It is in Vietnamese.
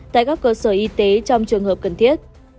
tại các cơ sở y tế trong trường hợp cần thiết